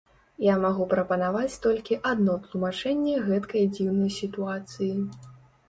Я магу прапанаваць толькі адно тлумачэнне гэткай дзіўнай сітуацыі.